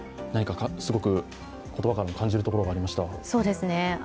何かすごく言葉からも感じるところがありました。